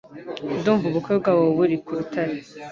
Ndumva ubukwe bwabo buri ku rutare